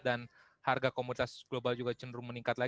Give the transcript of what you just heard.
dan harga komoditas globalnya lebih meningkat